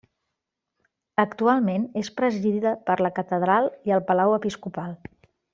Actualment és presidida per la catedral i el Palau Episcopal.